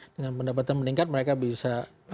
dengan pendapatan meningkat mereka bisa